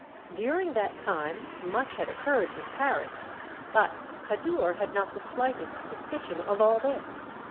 During that time much had occurred in Paris, but Kadour had not the slightest suspicion of all this.